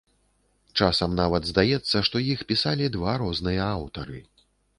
Часам нават здаецца, што іх пісалі два розныя аўтары.